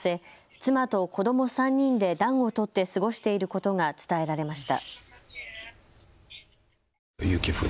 妻と子ども３人で暖を取って過ごしていることが伝えられました。